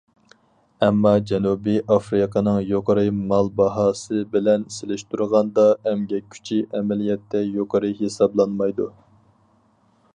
ئەمما، جەنۇبىي ئافرىقىنىڭ يۇقىرى مال باھاسى بىلەن سېلىشتۇرغاندا، ئەمگەك كۈچى ئەمەلىيەتتە يۇقىرى ھېسابلانمايدۇ.